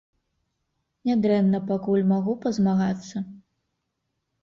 Нядрэнна пакуль, магу пазмагацца?